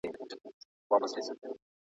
قانون نظم ټینګوي.